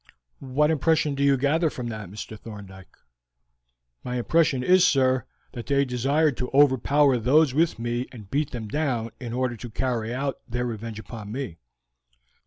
"What impression do you gather from that, Mr. Thorndyke?" "My impression is, sir, that they desired to overpower those with me and to beat them down, in order to carry out their revenge upon me."